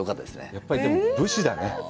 やっぱりでも武士だね。